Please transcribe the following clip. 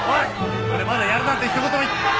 俺まだやるなんてひと言も。